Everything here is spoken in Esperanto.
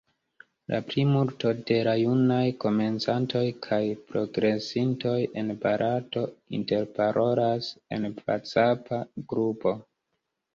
La plimulto de la junaj komencantoj kaj progresintoj en Barato interparolas en vacapa grupo.